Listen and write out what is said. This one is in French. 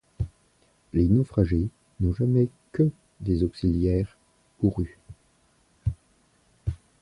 Les naufragés n’ont jamais que des auxiliaires bourrus.